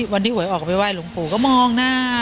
วันที่หวยออกไปไห้หลวงปู่ก็มองหน้า